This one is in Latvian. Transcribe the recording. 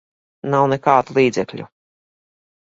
Nav nekādu līdzekļu.